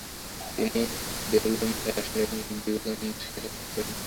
তিনি বেলুড়মঠে আসেন এবং বিবেকানন্দের সঙ্গে সাক্ষাত করেন।